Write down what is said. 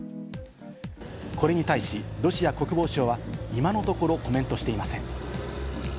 これに対し、ロシア国防省は今のところ、コメントしていません。